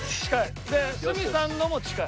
で鷲見さんのも近い。